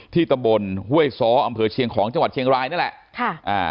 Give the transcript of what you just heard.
ที่ตะบลเฮ้วยซ้ออำเภอเชียงของจังหวัดเชียงรายนั่นแหละ